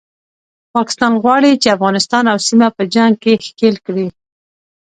پاکستان غواړي چې افغانستان او سیمه په جنګ کې ښکیل کړي